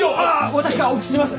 私がお拭きします！